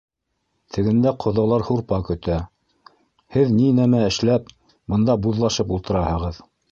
— Тегендә ҡоҙалар һурпа көтә, һеҙ ни нәмә эшләп бында буҙлашып ултыраһығыҙ?